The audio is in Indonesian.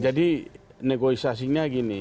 jadi negosiasinya gini